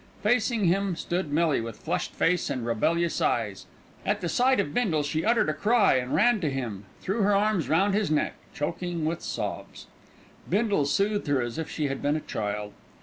Facing him stood Millie, with flushed face and rebellious eyes. At the sight of Bindle she uttered a cry and ran to him, threw her arms round his neck, choking with sobs. Bindle soothed her as if she had been a child.